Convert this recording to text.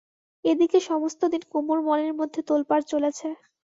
এ দিকে সমস্তদিন কুমুর মনের মধ্যে তোলপাড় চলেছে।